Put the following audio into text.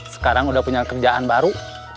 sekarang udah punya kerjaan baru